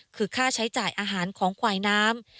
คือค่าใช้จ่ายอาหารของควายน้ำ